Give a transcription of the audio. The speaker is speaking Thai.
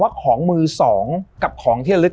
ของมือสองกับของที่ระลึก